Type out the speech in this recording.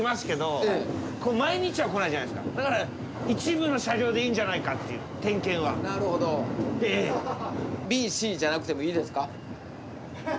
だから一部の車両でいいんじゃないかっていう点検は。で「Ａ」。ＢＣじゃなくてもいいですか？